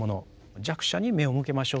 弱者に目を向けましょうという。